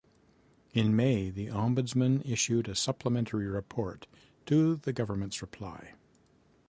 In May, the Ombudsman issued a supplementary report to the government's reply.